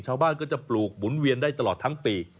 ชาวบ้านก็จะปลูกหมุนเวียนได้ตลอดทั้งปี